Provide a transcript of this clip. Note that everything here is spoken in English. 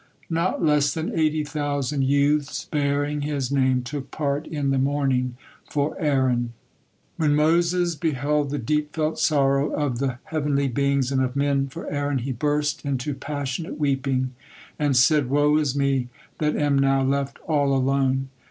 Not less than eighty thousand youths bearing his name took part in the mourning for Aaron. When Moses beheld the deep felt sorrow of the heavenly beings and of men for Aaron, he burst into passionate weeping, and said: "Woe is me, that am now left all alone!